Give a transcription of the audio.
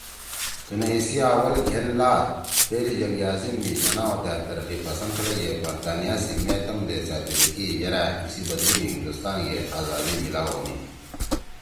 دُونیئی سی اول سی گھین لات )پہلی جنگ عظیم( می جناح او دأل ترقی پسند خلَگے برطانیہ سی مے تَم دے سأدویلی کی یرأ اِسی بدلی می ہندوستان گے آزادی میلاؤ ہونیِن